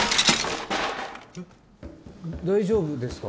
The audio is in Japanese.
大丈夫ですか？